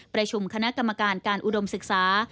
ประชุมคณะกรรมการการอุดมศึกษา